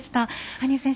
羽生選手